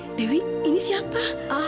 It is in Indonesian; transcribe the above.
eh dewi ini siapa